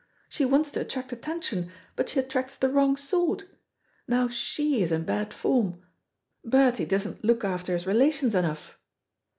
She wants to attract attention, but she attracts the wrong sort. Now she is in bad form. Bertie doesn't look after his relations enough."